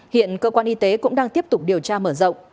hiện cơ quan y tế cũng đang tiếp tục điều tra mở rộng